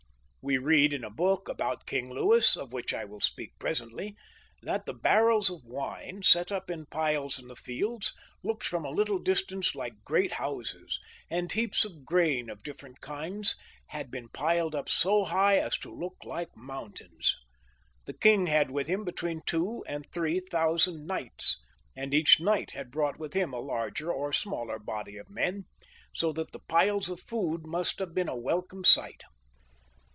We read in a book about King Louis, of which I wiU speak presently, that the barrels of wine, set up in piles in the fields, looked from a little dis tance like great houses, and heaps of grain of different kinds had been piled up so high as to look like mountains. The king had with him between two and three thousand knights, and each knightf had brought with him a larger or smaller body of men, so that this piles of food must have been a welcome sight.